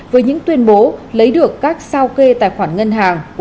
với những tuyên bố lấy được các sao kê tài khoản ngân hàng